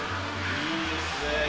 いいですね。